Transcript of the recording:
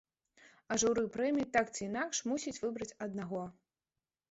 А журы прэміі так ці інакш мусіць выбраць аднаго.